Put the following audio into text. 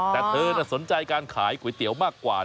แต่เธอสนใจการขายก๋วยเตี๋ยวมากกว่า